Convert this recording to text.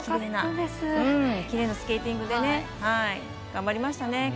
きれいなスケーティングで頑張りましたね。